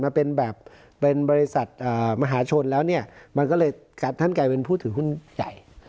มาเป็นแบบเป็นบริษัทมหาชนแล้วเนี่ยมันก็เลยท่านกลายเป็นผู้ถือหุ้นใหญ่